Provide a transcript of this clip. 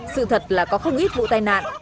sự thật là có không ít vụ tai nạn